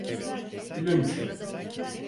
Gülünç.